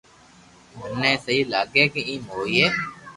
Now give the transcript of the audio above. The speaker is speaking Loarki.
مني سھي لاگي ڪي ايم ھوئي